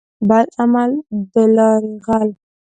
بد عمل دلاري غل.